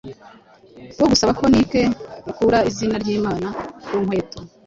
bwo gusaba ko Nike ikura izina ry’Imana ku nkweto